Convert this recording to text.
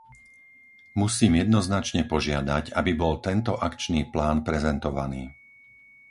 Musím jednoznačne požiadať, aby bol tento akčný plán prezentovaný.